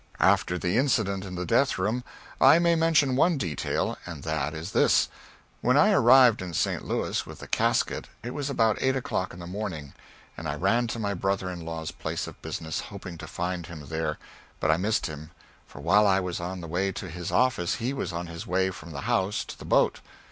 After the incident in the death room I may mention one detail, and that is this. When I arrived in St. Louis with the casket it was about eight o'clock in the morning, and I ran to my brother in law's place of business, hoping to find him there, but I missed him, for while I was on the way to his office he was on his way from the house to the boat.